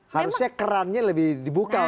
harusnya kerannya lebih dibuka